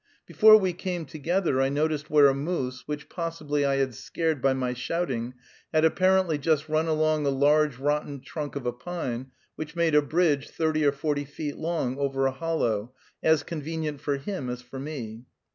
Before we came together I noticed where a moose, which possibly I had scared by my shouting, had apparently just run along a large rotten trunk of a pine, which made a bridge, thirty or forty feet long, over a hollow, as convenient for him as for me.